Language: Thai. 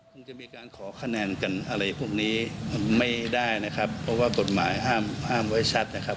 คงจะมีการขอคะแนนกันอะไรพวกนี้ไม่ได้นะครับเพราะว่ากฎหมายห้ามห้ามไว้ชัดนะครับ